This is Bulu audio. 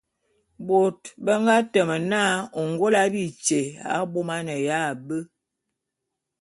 Bôt be nga teme na Ôngôla bityé abômaneya be.